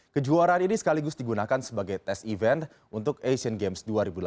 kejuaraan ini sekaligus digunakan sebagai tes event untuk asian games dua ribu delapan belas